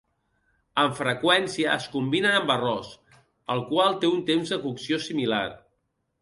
Amb freqüència es combinen amb arròs, el qual té un temps de cocció similar.